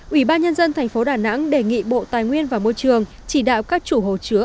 ủy ban nhân dân thành phố đà nẵng đề nghị bộ tài nguyên và môi trường chỉ đạo các chủ hồ chứa